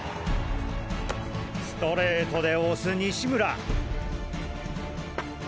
ストレートで押す西村！